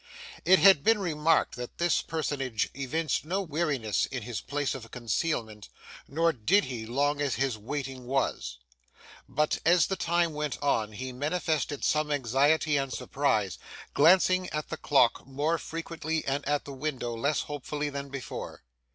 It had been remarked that this personage evinced no weariness in his place of concealment; nor did he, long as his waiting was. But as the time went on, he manifested some anxiety and surprise, glancing at the clock more frequently and at the window less hopefully than before.